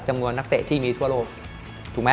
นักเตะที่มีทั่วโลกถูกไหม